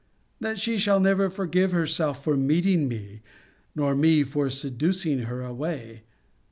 That she shall never forgive herself for meeting me, nor me for seducing her away?'